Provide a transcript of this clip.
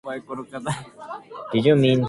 There is always light behind the clouds.